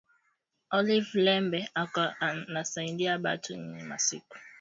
Olive lembe eko nasaidia batu iyi masiku